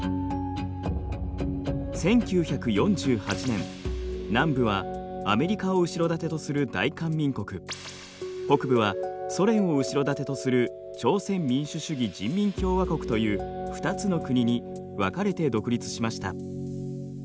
１９４８年南部はアメリカを後ろ盾とする大韓民国北部はソ連を後ろ盾とする朝鮮民主主義人民共和国という２つの国に分かれて独立しました。